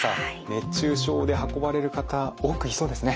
熱中症で運ばれる方多くいそうですね。